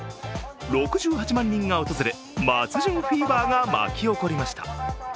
６８万人が訪れ松潤フィーバーが巻き起こりました。